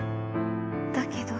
だけど」。